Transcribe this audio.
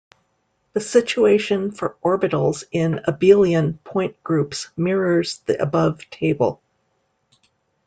The situation for orbitals in Abelian point groups mirrors the above table.